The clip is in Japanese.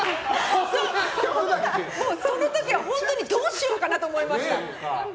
その時は本当にどうしようかなって思いました。